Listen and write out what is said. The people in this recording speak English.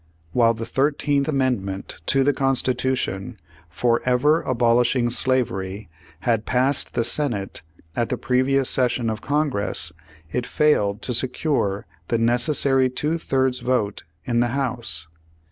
While the Thirteenth Amendment to the Consti tution, forever abolishing slavery, had passed the Senate at the previous session of Congress, it failed to secure the necessary two thirds vote in the House.